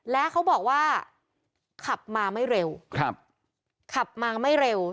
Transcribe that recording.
และเขาบอกว่าขับมาไม่เร็วครับขับมาไม่เร็ว